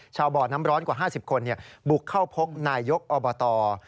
บ่อน้ำร้อนกว่า๕๐คนบุกเข้าพบนายยกอบต